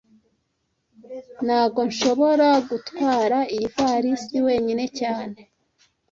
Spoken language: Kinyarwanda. Ntago nshobora gutwara iyi ivalisi wenyine cyane